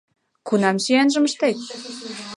Кунам сӱанжым ыштет?